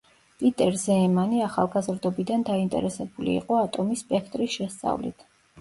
პიტერ ზეემანი ახალგაზრდობიდან დაინტერესებული იყო ატომის სპექტრის შესწავლით.